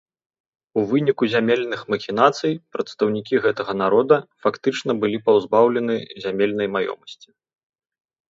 У выніку зямельных махінацый прадстаўнікі гэтага народа фактычна былі пазбаўлены зямельнай маёмасці.